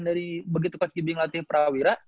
dari begitu coach givi ngelatih prawira